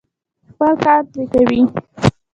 خپل کار پرې کوي.